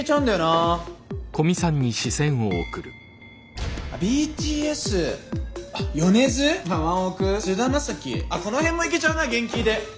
あっこの辺もいけちゃうな原キーで。